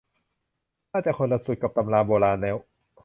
น่าจะคนละสูตรกับตำราโบราณแล้ว